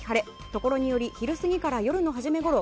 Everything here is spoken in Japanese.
ところにより昼過ぎから夜の初めころ